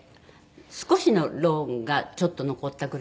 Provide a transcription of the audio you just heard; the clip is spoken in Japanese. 少しのローンがちょっと残ったぐらいですね。